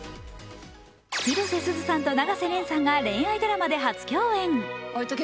広瀬すずさんと永瀬廉さんが恋愛ドラマで初共演。